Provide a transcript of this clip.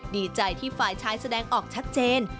ดีใจที่ฝ่ายชายแสดงออกชัดเจน